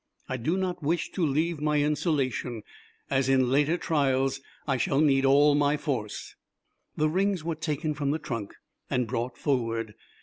I do not wish to leave my insulation, as in later trials I shall need all my force." The rings were taken from the trunk and brought forward.